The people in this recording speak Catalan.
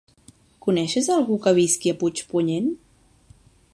Coneixes algú que visqui a Puigpunyent?